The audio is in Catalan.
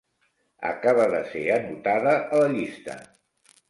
Acaba de ser anotada a la llista.